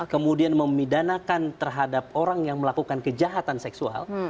kemudian memidanakan terhadap orang yang melakukan kejahatan seksual